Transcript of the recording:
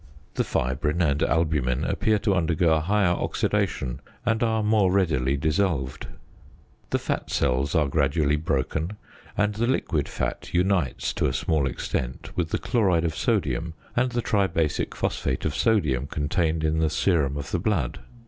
The fibrin and albumen appear to undergo a higher oxidation and are more readily dissolved. The fat cells are gradually broken, and the liquid fat unites to a small extent with the chloride of sodium and the tribasic phosphate of sodium contained in the serum of the blood.